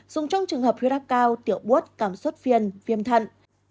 dùng trong trường hợp huyết ác cao tiểu bốt cảm xuất phiền viêm thận